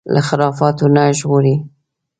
له خرافاتو نه ژغوري